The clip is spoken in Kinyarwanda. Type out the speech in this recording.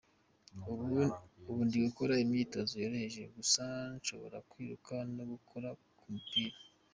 Ubu ndi gukora imyitozo yoroheje gusa nshobora kwiruka no gukora ku mupira.